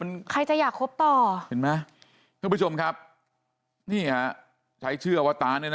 มันใครจะอยากคบต่อเห็นไหมทุกผู้ชมครับนี่อ่ะใช้ชื่ออวตารเนี่ยน่ะ